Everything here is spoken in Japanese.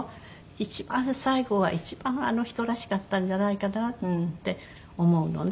一番最後が一番あの人らしかったんじゃないかなって思うのね。